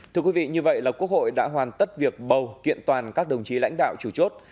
thưa quý vị như vậy là quốc hội đã hoàn tất việc bầu kiện toàn các đồng chí lãnh đạo chủ chốt